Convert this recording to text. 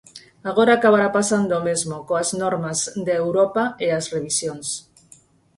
Agora acabará pasando o mesmo, coas normas de Europa e as revisións.